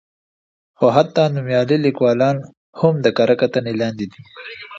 خو حتی نومیالي لیکوالان هم د کره کتنې لاندې دي.